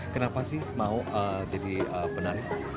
kenapa sih mau jadi penari